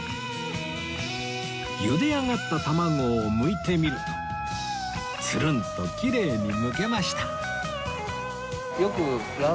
ゆで上がった卵をむいてみるとツルンときれいにむけました